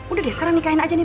udah sih sekarang nikahin nih